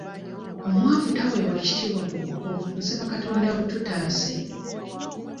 Omwavu taweebwa kitiibwa ku buko nsaba Katonda abututaase.